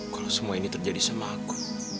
kalau semua ini terjadi sama aku